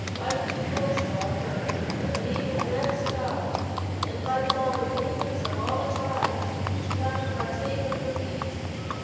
"White Eagle's daughter, the maiden Red Star, invites all the maidens of all the tribes to come and partake of her feast.